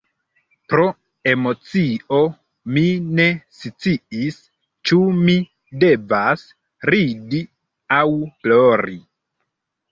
Pro emocio, mi ne sciis ĉu mi devas ridi aŭ plori...